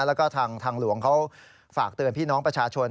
แล้วก็ทางหลวงเขาฝากเตือนพี่น้องประชาชน